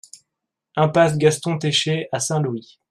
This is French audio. Impasse Gaston Técher à Saint-Louis